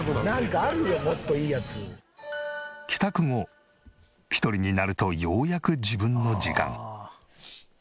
帰宅後一人になるとようやく自分の時間。